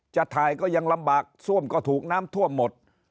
จะถ่ายก็ยังลำบากซ่วมก็ถูกน้ำท่วมหมด